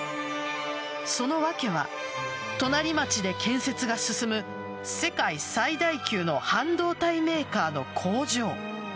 その訳は、隣町で建設が進む世界最大級の半導体メーカーの工場。